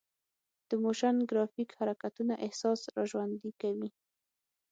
د موشن ګرافیک حرکتونه احساس راژوندي کوي.